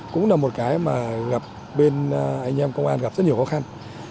cũng là một cái mà bên anh em công an gặp rất nhiều khó khăn